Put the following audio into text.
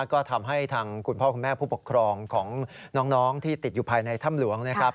ก็ทำให้ทางคุณพ่อคุณแม่ผู้ปกครองของน้องที่ติดอยู่ภายในถ้ำหลวงนะครับ